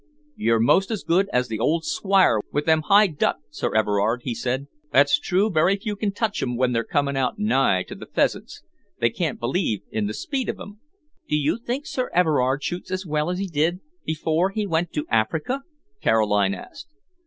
"You're most as good as the old Squire with them high duck, Sir Everard," he said. "That's true very few can touch 'em when they're coming out nigh to the pheasants. They can't believe in the speed of 'em." "Do you think Sir Everard shoots as well as he did before he went to Africa?" Caroline asked.